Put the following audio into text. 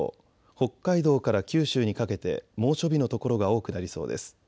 北海道から九州にかけて猛暑日の所が多くなりそうです。